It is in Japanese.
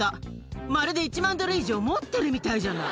まるで１万ドル以上持ってるみたいじゃない。